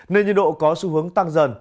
nên nhiệt độ có xu hướng tăng dần